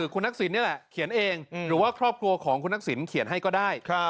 คุณทักษิณนี่แหละเขียนเองหรือว่าครอบครัวของคุณทักษิณเขียนให้ก็ได้